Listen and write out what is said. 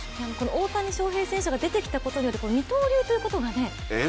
大谷翔平選手が出てきたことによって二刀流というものが、何かね。